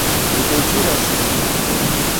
Mi deziras vivi.